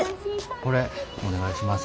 これお願いします。